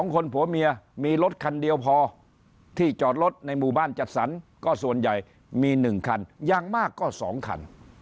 คนผัวเมียมีรถคันเดียวพอที่จอดรถในหมู่บ้านจัดสรรก็ส่วนใหญ่มี๑คันอย่างมากก็๒คัน